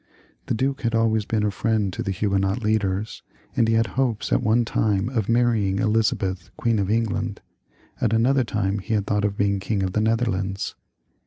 The duke had always been a friend to the Huguenot leaders, and he had had hopes at one time of marrying Elizabeth, Queen of England; at another time he had thought of being King of the Nether lands.